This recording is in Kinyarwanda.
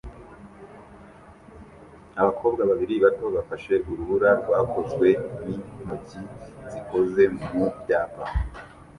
Abakobwa babiri bato bafashe urubura rwakozwe n'intoki zikoze mu byapa